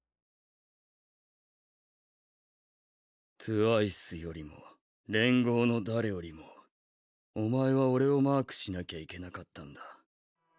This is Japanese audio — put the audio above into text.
トゥワイスよりも連合の誰よりもおまえは俺をマークしなきゃいけなかったんだ。